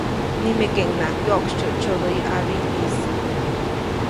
Nimekeʼunŋaʼak wyoʼksytsyoʼtsyoʼdäyu ʼabijtis.